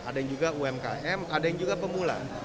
ada yang juga umkm ada yang juga pemula